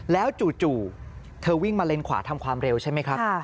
แล้วจู่เธอวิ่งมาเลนขวาทำความเร็วใช่ไหมครับ